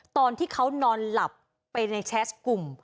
ตอนที่เขานอนหลับไปในแชทกลุ่ม